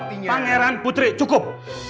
pangeran putri cukup